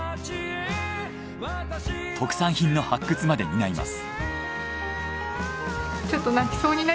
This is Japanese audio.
特産品の発掘まで担います。